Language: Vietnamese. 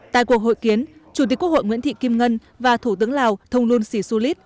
tại cuộc hội kiến chủ tịch quốc hội nguyễn thị kim ngân và thủ tướng lào thong lun sì su lý